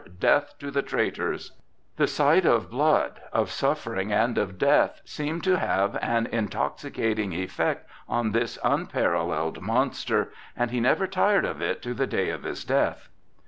Death to the traitors!" The sight of blood, of suffering and of death seemed to have an intoxicating effect on this unparalleled monster, and he never tired of it to the day of his death.